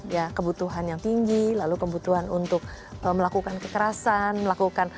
ya kebutuhan yang tinggi lalu kebutuhan untuk melakukan kekerasan melakukan